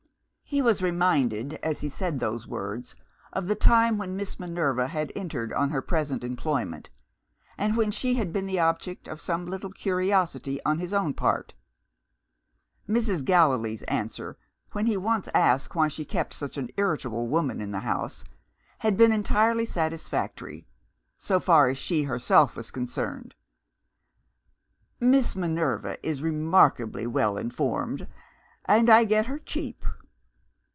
He was reminded, as he said those words, of the time when Miss Minerva had entered on her present employment, and when she had been the object of some little curiosity on his own part. Mrs. Gallilee's answer, when he once asked why she kept such an irritable woman in the house, had been entirely satisfactory, so far as she herself was concerned: "Miss Minerva is remarkably well informed, and I get her cheap."